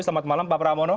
selamat malam pak pramono